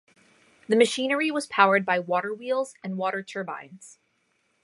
The machinery was powered by water wheels and water turbines.